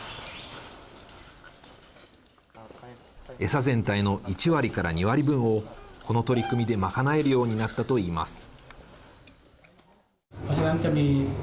餌全体の１割から２割分をこの取り組みで賄えるようになったといいます。